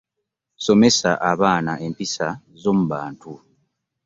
Somesa abaana empisa z'omu bantu.